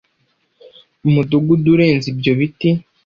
Umudugudu urenze ibyo biti.